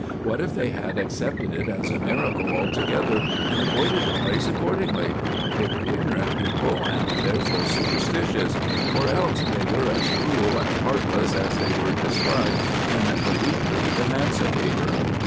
What if they had accepted it as a miracle altogether, and avoided the place accordingly? They were ignorant people, and therefore superstitious; or else they were as cruel and heartless as they were described in the "Weekly Emancipator."